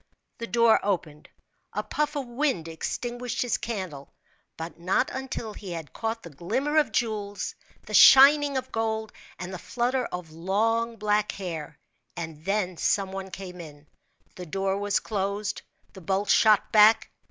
The door opened; a puff of wind extinguished his candle, but not until he had caught the glimmer of jewels, the shining of gold, and the flutter of long, black hair; and then some one came in. The door was closed; the bolts shot back!